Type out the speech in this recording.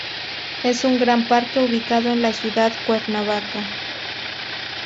Es un gran parque ubicado en la ciudad Cuernavaca.